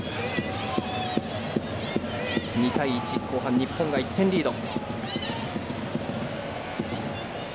２対１、後半日本が１点リード。